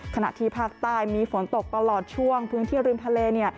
ขณะที่ภาคใต้มีฝนตกตลอดช่วงพื้นที่ริมทะเล